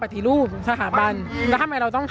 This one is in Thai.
อย่างที่บอกไปว่าเรายังยึดในเรื่องของข้อ